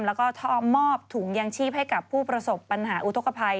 แล้วก็มอบถุงยางชีพให้กับผู้ประสบปัญหาอุทธกภัย